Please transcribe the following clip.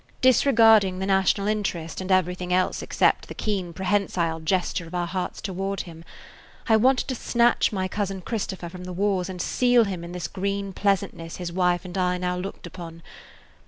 Disregarding the national interest and everything else except the keen prehensile gesture of our hearts toward him, I wanted to snatch my Cousin Christopher from the wars and seal him in this green pleasantness his wife and I now looked upon.